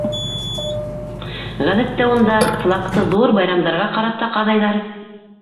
Ғәҙәттә унда флагты ҙур байрамдарға ҡарата ҡаҙайҙар.